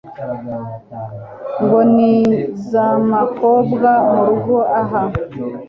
ngo ni zamakobwa murugo aha